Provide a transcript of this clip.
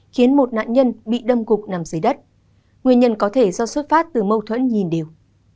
khiến một nạn nhân bị đâm cục nằm dưới đất nguyên nhân có thể do xuất phát từ mâu thuẫn nhìn điều